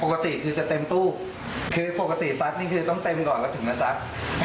ปกติคือจะเต็มตู้คือปกติซัดนี่คือต้องเต็มก่อนแล้วถึงจะซัด